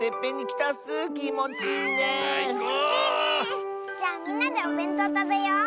きもちいいね。じゃあみんなでおべんとうたべよう。